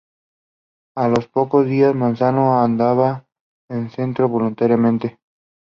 A los pocos días Manzano abandona el centro voluntariamente.